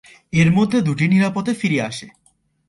এর মধ্যে দুটি নিরাপদে ফিরে আসে।